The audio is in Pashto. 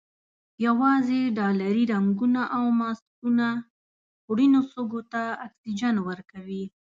یوازې ډالري رنګونه او ماسکونه خوړینو سږیو ته اکسیجن ورکوي.